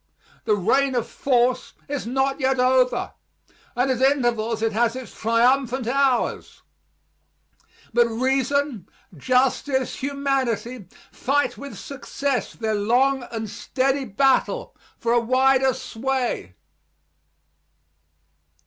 The reign of force is not yet over, and at intervals it has its triumphant hours, but reason, justice, humanity fight with success their long and steady battle for a wider sway.